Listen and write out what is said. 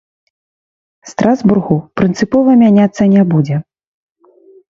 Страсбургу, прынцыпова мяняцца не будзе.